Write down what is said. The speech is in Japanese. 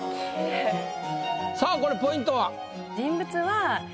さあこれポイントは？